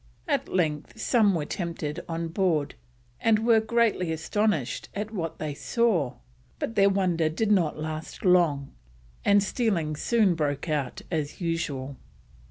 At length some were tempted on board, and were greatly astonished at what they saw, but their wonder did not last long, and stealing soon broke out as usual.